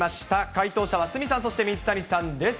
解答者は鷲見さん、そして、水谷さんです。